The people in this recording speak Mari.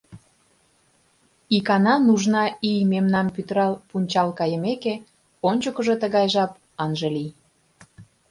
Икана нужна ий мемнам пӱтырал, пунчал кайымеке, ончыкыжо тыгай жап ынже лий.